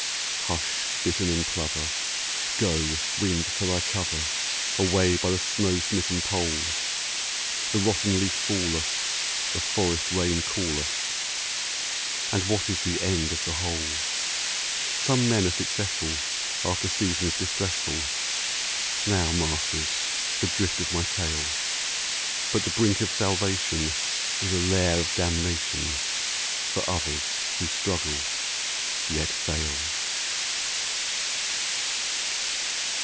Hush, bittern and plover! Go, wind, to thy cover Away by the snow smitten Pole! The rotten leaf falleth, the forest rain calleth; And what is the end of the whole? Some men are successful after seasons distressful [Now, masters, the drift of my tale]; But the brink of salvation is a lair of damnation For others who struggle, yet fail.